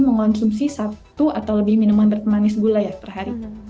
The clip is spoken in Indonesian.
mengonsumsi satu atau lebih minuman bertemanis gula ya per hari